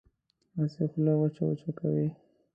هسې خوله وچه وچه کوي.